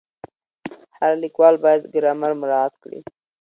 هر لیکوال باید ګرامر مراعت کړي.